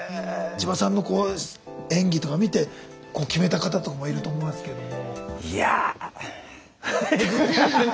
千葉さんの演技とか見て決めた方とかもいると思いますけども。